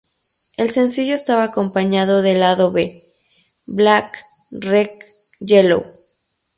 El sencillo estaba acompañado del Lado B "Black, Red, Yellow".